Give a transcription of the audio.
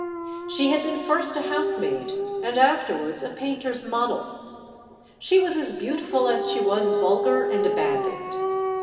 She had been first a housemaid and afterwards a painter's model. She was as beautiful as she was vulgar and abandoned.